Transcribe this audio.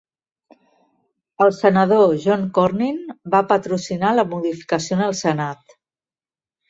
El senador John cornyn va patrocinar la modificació en el Senat.